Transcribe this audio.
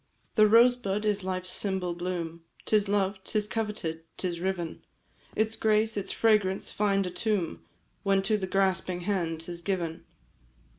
"The rosebud is life's symbol bloom, 'Tis loved, 'tis coveted, 'tis riven Its grace, its fragrance, find a tomb, When to the grasping hand 'tis given.